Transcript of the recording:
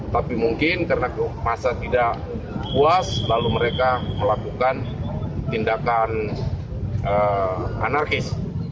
tapi mungkin karena masa tidak puas lalu mereka melakukan tindakan anarkis